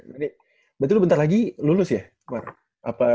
berarti lu bentar lagi lulus ya